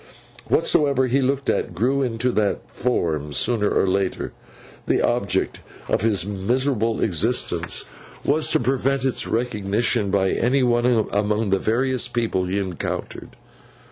Whatsoever he looked at, grew into that form sooner or later. The object of his miserable existence was to prevent its recognition by any one among the various people he encountered.